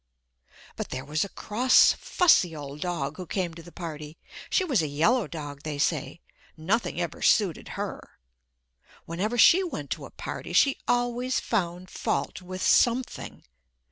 But there was a cross fussy old dog who came to the party. She was a yellow dog, they say. Nothing ever suited her. Whenever she went to a party she always found fault with something.